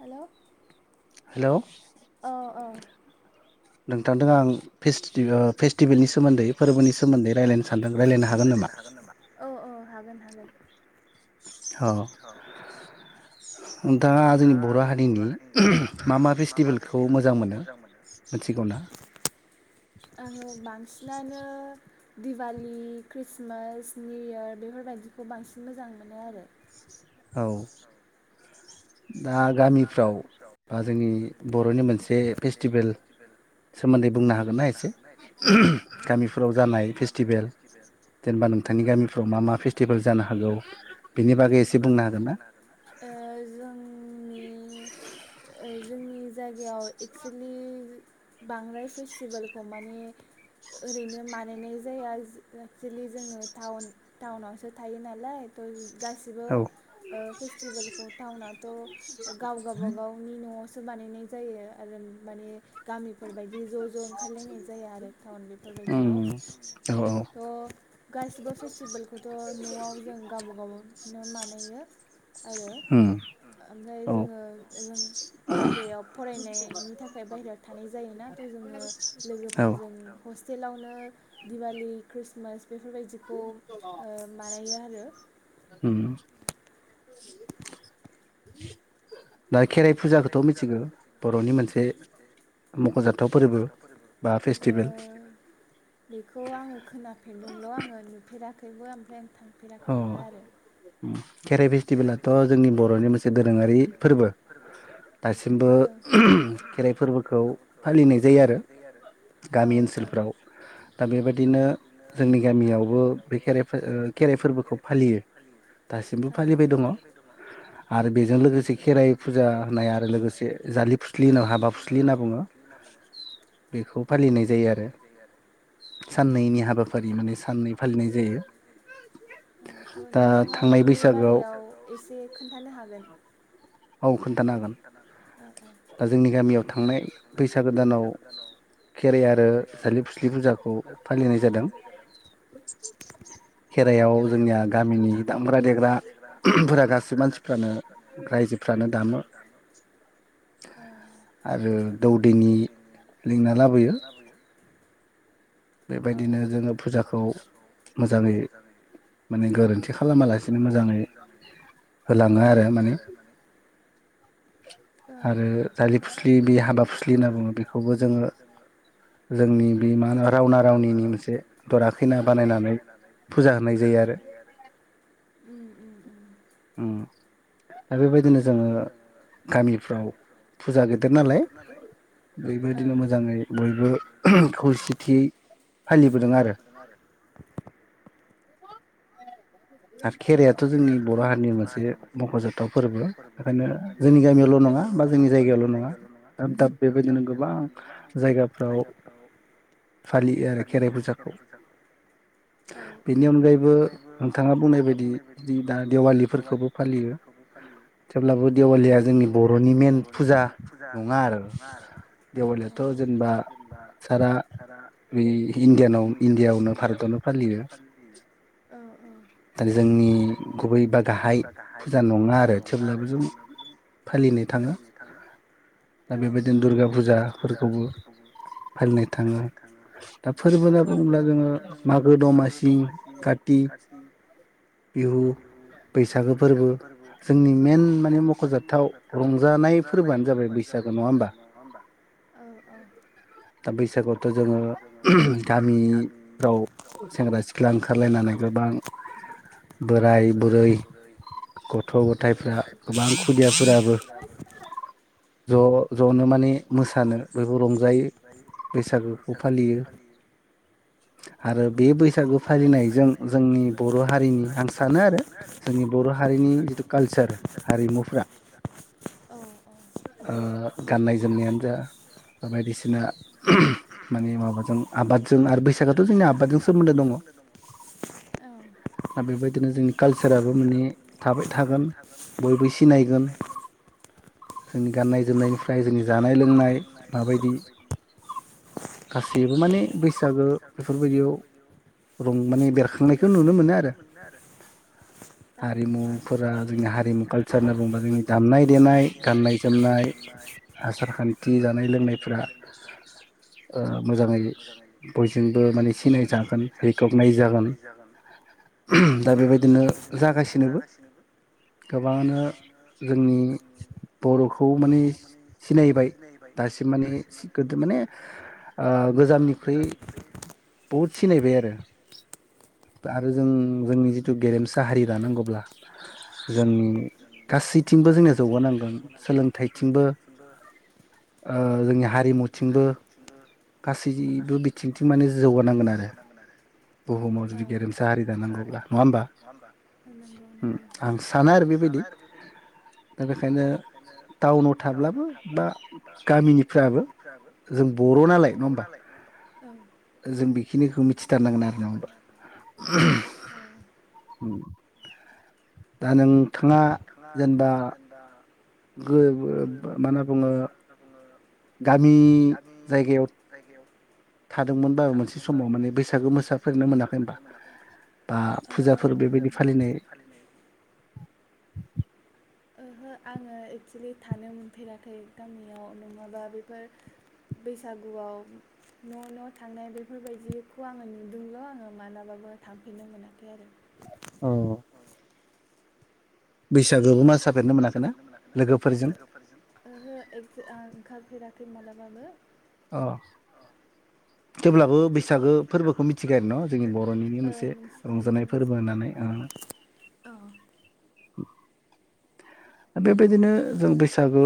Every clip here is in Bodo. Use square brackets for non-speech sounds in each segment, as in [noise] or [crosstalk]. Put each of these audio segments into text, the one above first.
हेलौ औ औ। नोंथांदों आं फेस्टि फेस्टिभेलनि सोमोन्दै फोरबोनि सोमोन्दै रायलायनो सा सान्दों रायलायनो हागोन नामा? हागोन हागोन। औ। [inaudible] नोंथाङा जोंनि बर' हारिनि मा मा फेस्टिभेलखौ मोजां मोनो? आङो बांसिनानो दिवालि, ख्रिस्टमास, निउ इयार बेफोरबायदिखौ बांसिन मोजां मोनो आरो। औ। दा गामिफ्राव बा जोंनि बर'नि मोनसे फेस्टिभेल सोमोन्दै बुंनो हागोनना एसे गामिफ्राव जानाय फेस्टिभेल जेनेबा नोंथांनि गामिफ्राव मा मा फेस्टिभेल जानो हागौ? बेनि बागै एसे बुंनो हागोनना? ओ जों नि ओ जोंनि जायगा गायाव एक्सुलि बांद्राय फेस्टिभेलखौ माने ओरैनो मानायनाय जाया एक्सेलि जोङो टाउन टाउनावसो थायो नालाय। थ' गासिबो ओ फेस्टिभेलखौ टाउनथ' गावगा बागावनि न'आवसो बानायनाय जायो आरो माने गामिफोरबायदि ज' ज' ओंखारलायनाय जाया आरो टाउन बेफोरबायदियाव। थ' गासिबो फेस्टिभेलखौथ' न'आव जों गावबा गावनो बानायो आरो ओमफ्राय जोङो जों बायहेरायाव फरायनायनि थाखाय बायहेरायाव थानाय जायोन थ' जोङो लोगोफोरजों हस्टेल आवनो दिवालि, ख्रिस्टमास बेफोरबायदिखौ मानायो आरो। [inaudible] [unintelligible] ओ बेखौ आङो खोनाफेरदोंल' आङो नुफेराखै। बो ओमफ्राय थांफेराखैबो आरो। खेराइ फेस्टिभेलाथ' जोंनि बर'नि मोनसे दोरोङारि फोरबो। दासिमबो खेराइ फोरबोखौ फालिनाय जायो आरो गामि ओनसोलफ्राव दा बेबायदिनो जोंनि गामियावबो बे खेराइ फो फोरबोखौ फालियो दासिम। फालिबाय दङ आरो बेजों लोगोसे खेराइ फुजा होननाय आरो लोगोसे जालि फुस्लि होनाव हाबा फुस्लि होनना बुङो। बेखौ फालिनाय जायो आरो साननैनि हाबाफारि माने साननै फालिनाय जायो। दा थांनाय बैसा बारायाव एसे खोन्थानो हागोन? औ खोन्थानो हागोन। दा जोंनि गामियाव थांनाय बैसागो दानाव खेराइ आरो जालि फुस्लि फुजाखौ फालिनाय जादों। खेराइआव जोंनिया गामिनि दामग्रा दे देग्राफोरा गासैबो मानसिफ्रानो रायजो रायजोफ्रानो दामो आरो दौदिनि लिंना लाबोयो। बेबायदिनो जोङो फुजाखौ मोजाङै माने गोरोन्थि खालामालासिनो बिदिनो मोजाङै होलाङो आरो माने आरो दालि फुस्लि बे हाबा फुस्लि होनना बुङो। बेखौबो जोङो जोंनि बे मा होनो रावना रावनिनि मोनसे दराखैना बानायनानै फुजा होनाय जायो आरो। उम उम उम उम दा बेबायदिनो जोङो गामिफ्राव फुजा गेदेर नालाय बेबायदिनो मोजाङै बयबो खौसेथियै फालिबोदों आरो। आर खेराइथ' जोंनि बर' हारिनि मोनसे मख'जाथाव फोरबो बेखायनो जोंनि गामियावल' नङा बा जोंनि जायगायावल' नङा दाब बेबायदिनो गोबां जायगाफ्राव फालियो आरो खेराइ फुजाखौ। बेनि अनगायैबो मा बुंनाय बायदि दा दिवालिफोरखौबो फालियो थेवब्लाबो दिवालिया जोंनि बर'नि मेन फुजा नङा आरो दिवालियाथ' जेनेबा सारा इण्डियानाव इण्डियआवनो भारतावनो फालियो। दा जोंनि गुबै बा गाहाय फुजा नङा आरो थेवब्लाबो जों फालिनो थाङो दा बेबायदिनो दुर्गा फुजाफोरखौबो फालिनो थाङो दा फोरबो होनना बुङोब्ला जोङो मागो, दमासि, काति, [unintelligible] बिहु बैसागो फोरबो जोंनि मेन माने मख'जाथाव रंजानाय फोरबोआनो जाबाय बैसागो नङा होमबा? दा बैसागोआवथ' जोङो गामिफ्राव सेंग्रा सिख्ला ओंखारलायनानै गोबां बोराय बुरै, गथ' गथायाइफ्रा गोबां खुदियाफोराबो ज' ज'नो माने मोसानो बयबो रंजायो बैसागोखौ फालियो। आरो बे बैसागो फालिनायजों जोंनि बर' हारिनि आं सानो आरो जोंनि बर' हारिनि जिथु कालचार हारिमुफ्रा आ गाननाय जोमनायानो जा बा बायदिसिना माने माबाजों आबादजों आरो बैसागआथ' जोंनि आबादजों सोमोन्दो दङ'। दा बेबायदिनो जोंनि कालसाराबो माने थाबाय थागोन बयबो सिनायगोन। जोंनि गाननाय जोमनायनिफ्राय जोंनि जानाय लोंनाय माबायदि गासैबो माने बैसागो बेफोरबायदियाव रं माने बेरखा बेखौ नुनो मोनो आरो हारिमुफोरा जोंनि हारिमु कालसार होनना बुङोब्ला जोंनि दामनाय देनाय गाननाय जोमनाय आसार खान्थि जानाय लोंनायफ्रा ओ मोजाङै बयजोंबो माने सिनायजागोन रेकगनायज जागोन। जागोन औ औ दा बेबादिनो जागासिनोबो गोबांनो [unintelligible] बर'खौ माने सिनायबाय दासिम माने गोदो माने ओ गोजामनिख्रुइ बहुद सिनायबाय आरो आरो जोंनि जोंनि जिथु गेरेमसा हारि दानांगौब्ला जोंनि गासैथिंबो जोंनिया जौगानांगोन सोलोंथाइथिंबो ओ जोंनि हारि दैमुथिंबो गासैबो बिथिंथिं माने जौगानांगोन आरो बुहुमाव जुदि गेरेमसा हारि दानांगौब्ला नङा होमबा आं साना आरो बेबायदि दा बेखायनो टाउनाव थाब्लाबो बा गामिनिफ्राबो जों बर' नालाय नङा होमबा जों बेखिनिखौ मिथिथारनांगोन आरो। [unintelligible] [inaudible] दा नों थाङा जेनेबा। गो मा होनना बुङो। गामि जायगायाव थादोंमोनबाबो मोनसे समाव माने बैसागो मोसाफेरनो मोनाखै होनबा बा फुजाफोर बेबायदि फालिनो। ओहो आङो एक्सुलि थानो मोनफेराखै गामियाव नङाबा बेफोर बैसागुआव न' न' थांनाय बेफोरबायदिखौ आङो नुदोंल' आङो मालाबाबो थांफेरनो मोनाखै आरो। [inaudible] ओ। बैसागोबो मासाफेरनो मोनाखैना ओहो लोगोफोरजों आं ओंखारफेराखै। [inaudible] बे मालाबाबो। [inaudible] अ थेवब्लाबो बैसागो फोरबोखौ मिथिखायो आरो न जोंनि बर'निनो मोनसे रंजानाय फोरबो होननानै ओ। बेबायदिनो जों बैसागो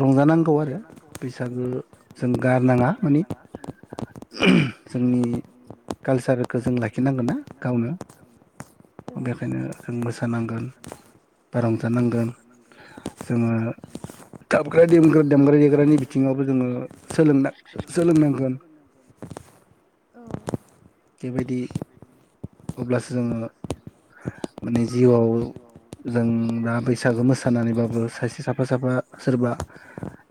रंजानांगौ आरो बैसागो। जों गारनाङा माने जोंनि कालसारखो जों। लाखिनांगोन ना गावनो बेखायनो जों मोसानांगोन बा रंजानांगोन जोङो दामग्रा देमग्रा दामग्रा देग्रानि बिथिङावबो जोङो। सोलोंना सोलोंनांगोन बेबायदि अब्लासो जोङो माने जिउआव जों दा बैसागो मोसानानैबाबो सासे साफा साफा सोरबा।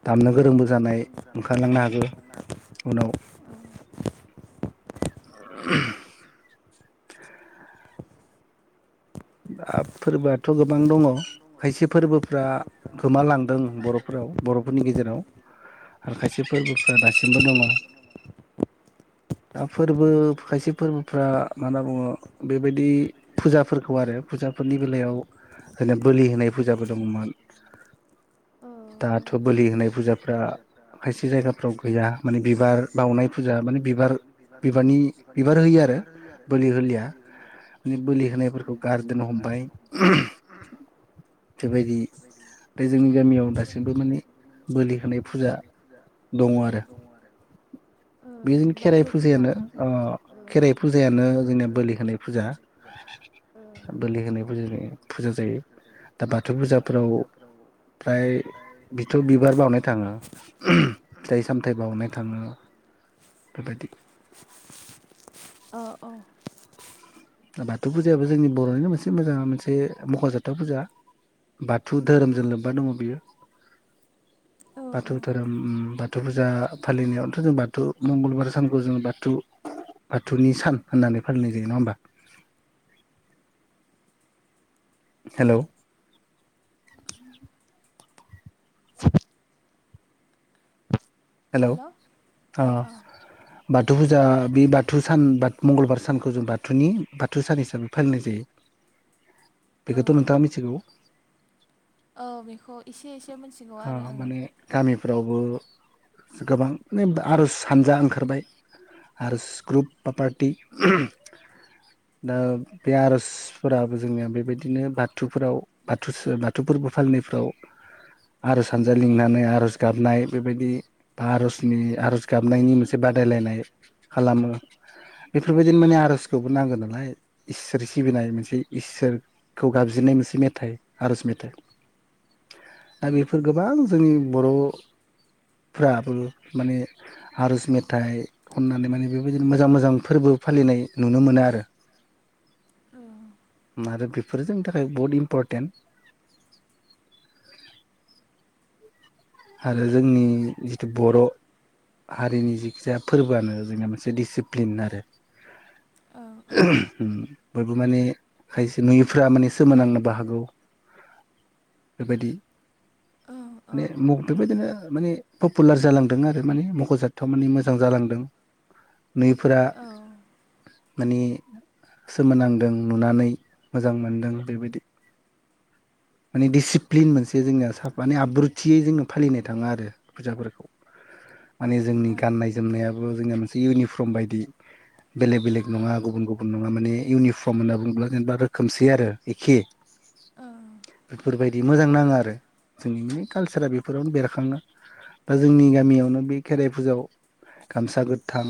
दामनो गोरोंबो जानाय। लांनो हागौ उनाव। दा फोरबोआथ' गोबां दङ खायसे फोरबोफ्रा गोमालांदों बर'फोराव बर'फोरनि गेजेराव आरो खायसे फोरबोफ्रा दासिमबो दङ दा फोरबो खायसे फोरबोफ्रा मा होनना बुङो बेबायदि फुजाफोर। खौ आरो फुजाफोरनि बेलायाव होनो बोलि होनाय फुजाबो दङमोन दाथ' बोलि होनाय फुजाफ्रा खायसे जायगाफ्राव गैया माने बिबार बावनाय फुजा माने बिबार बिबारनि बिबार होयो आरो बोलि होलिया मानि बोलि होनायफोर। गार्देन हमबाय बेबायदि बे जोंनि गामियाव दासिमबो माने बोलि होनाय फुजा दङ आरो बे जोंनि खेराइ फुजायानो ओ खेराइ फुजायानो जोंनि बोलि होनाय फुजा। बोलि होनाय फुजा जायो दा बाथौ फुजाफ्राव फ्राय बिथ' बिबार बावनाय थाङो फिथाइ सामथाइ बावनाय थाङो बेबायदि। अ। बाथौ फुजायाबो जोंनि बर'निनो मोनसे मोजां मोनसे मख'जाथाव फुजा बाथु धोरोमजों लोब्बा दङ बियो। बाथौ धोरोम ओम बाथ थु फुजा फालिनायावथ' जों बाथु मंगलबार सानखौ जों बाथु बाथुनि सान होननानै। फलिनाय जायो नङा होमबा? हेल'। [inaudible] हेल' अ अ। बाथु फुजा बे बाथु सान बाथ मंगलबार सानखौ जों बाथुनि बाथु सान हिसाबै फालिनाय जायो। बेखोथ' नोंथाङा मिथिगौ। ओ बेखौ एसे एसे मोनथिगौ आरो आङो। फ्रावबो गोबां नेम आर'ज हानजा ओंखारबाय आर'ज ग्रुप बा पार्टि दा बे आर'जफोराबो जोंनिया बेबायदिनो बाथुफोराव बाथु बाथु फोरबो फालिनायफ्राव आर'ज हानजा लिंनानै आर'ज गाबनाय बेबायदि। बा आर'जनि आर'ज गाबनायनि मोनसे बादायलायनाय खालामो बेफोरबायदिनो माने आर'जखौबो नांगौ नालाय इसोर सिबिनाय मोनसे इसोरखौ गाबज्रिनाय मोनसे मेथाइ आर'ज मेथाइ दा बेफोर गोबां जोंनि बर' फ्राबो माने आर'ज मेथाइ खननानै माने बेबायदिनो मोजां मोजां फोरबो फालिनाय नुनो मोनो आरो। औ। आरो बेफोरो जोंनि थाखाय बहुद इम्परटेन्ट। आरो जोंनि जिथु बर' हारिनि जिखि जाया फोरबोआनो जोंनिहा मोनसे दिसिप्लिन आरो बयबो माने खायसे नुयिफ्रा माने सोमोनांनोबो हागौ बेबायदि माने म बेबायदिनो माने पपुलार जालांदों आरो माने मख'जाथाव माने मोजां जालांदों। नैफोरा माने सोमोनांदों नुनानै मोजां मोनदों बेबायदि माने डिसिप्लिन मोनसे जोंनिया सा मान आब्रुथियै जोङो फालिनो थाङो आरो फुजाफोरखौ। माने जोंनि गाननाय जोमनाया जोंनि मोनसे इउनिफर्म बायदि बेलेग बेलेग नङा गुबुन गुबुन नङा माने इउनिर्म होनना बुंब्ला जेनेबा खोमसि आरो एखे। बेफोरबायदि मोजां नाङो आरो जोंनि माने कालसारा बेफोरावनो बेरखाङो दा जोंनि गामियावनो बे खेराइ फुजायाव गामसा गोथां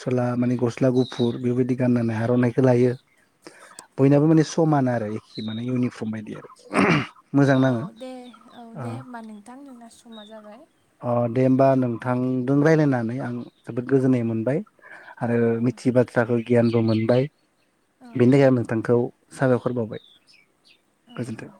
सला माने गस्ला गुफुर बेबायदि गाननानै आर'नाइखौ लायो बयनाबो माने समान आरो एखे माने इउनिक। समबायदि आरो। औ दे औ दे होमबा नोंथां नोंना समा जाबाय। अ दे होमबा नोंथांदो रायज्लायनानै आं जोबोद गोजोननाय मोनबाय आरो मिथियै बाथ्राखौ गियानबो मोनबाय बेनि थाखाय आं नोंथांखौ साबायखर बावबाय गोजोन्थों।